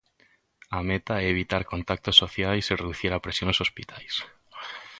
A meta é evitar contactos sociais e reducir a presión nos hospitais.